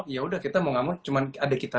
yaudah kita mau gak mau cuma ada kita